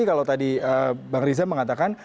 kalau tadi bang riza mengatakan